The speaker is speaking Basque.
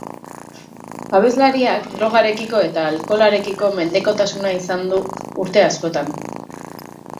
Abeslariak drogarekiko eta alkoholarekiko mendekotasuna izan du urte askoan.